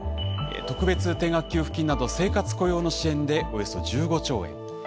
特別定額給付金など生活・雇用の支援でおよそ１５兆円。